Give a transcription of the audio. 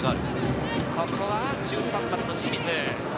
ここは１３番の清水。